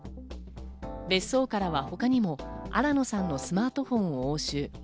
別荘からは他にも新野さんのスマートフォンを押収。